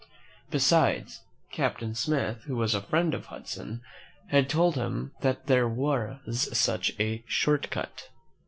Besides, Captain Smith, who was a friend of Hudson, had told him that there was such a short cut.